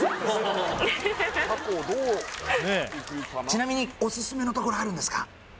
ちなみにオススメのところあるんですか？